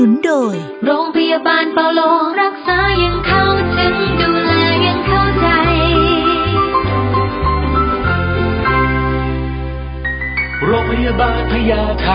โรงพยาบาลพญาไทย